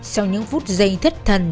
sau những phút giây thất thần